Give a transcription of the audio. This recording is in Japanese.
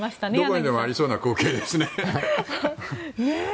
どこにでもありそうな光景ですね。